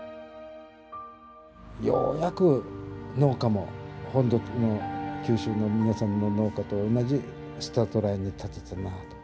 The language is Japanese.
ようやく農家も本土の九州の皆さんの農家と同じスタートラインに立てたなあ。